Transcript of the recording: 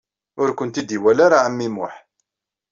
Ur kent-id-iwala ara ɛemmi Muḥ.